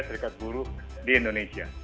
serikat buruh di indonesia